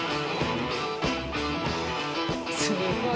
すごい。